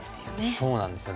そうなんですよ。